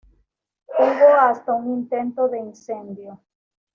Hubo hasta un intento de incendio.